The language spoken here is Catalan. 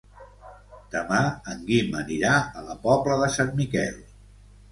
Demà en Guim anirà a la Pobla de Sant Miquel.